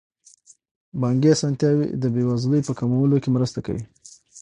بانکي اسانتیاوې د بې وزلۍ په کمولو کې مرسته کوي.